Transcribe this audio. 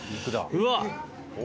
うわっ！